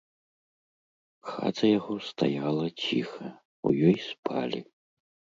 Хата яго стаяла ціха, у ёй спалі.